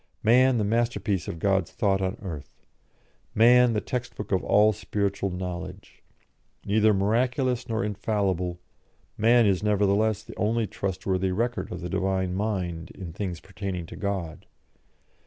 Man, the masterpiece of God's thought on earth. Man, the text book of all spiritual knowledge. Neither miraculous nor infallible, man is nevertheless the only trustworthy record of the Divine mind in things pertaining to God.